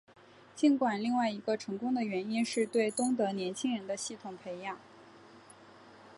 尽管另外一个成功的原因是对东德年轻人的系统培养。